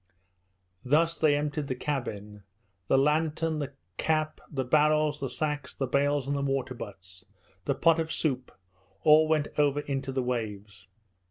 Thus they emptied the cabin. The lantern, the cap, the barrels, the sacks, the bales, and the water butts, the pot of soup, all went over into the waves.